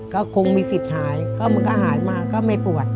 ก็คงมีสิทธิ์หายก็มันก็หายมาก็ไม่ปวด